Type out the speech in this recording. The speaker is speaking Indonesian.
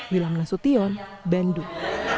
wilam nasution bandung